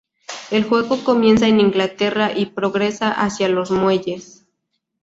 El juego comienza en Inglaterra, y progresa hacia los muelles.